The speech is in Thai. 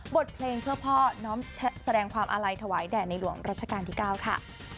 บทเพลงเพื่อพ่อน้อมแสดงความอาลัยถวายแด่ในหลวงรัชกาลที่๙ค่ะ